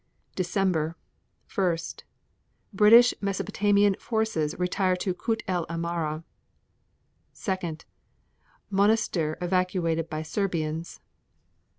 December 1. British Mesopotamian forces retire to Kut el Amara. 2. Monastir evacuated by Serbians.